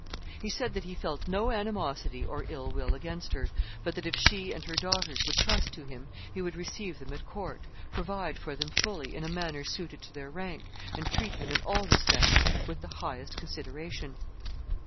He said that he felt no animosity or ill will against her, but that, if she and her daughters would trust to him, he would receive them at court, provide for them fully in a manner suited to their rank, and treat them in all respects with the highest consideration.